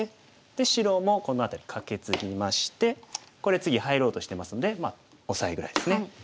で白もこの辺りカケツギましてこれ次入ろうとしてますのでオサエぐらいですね。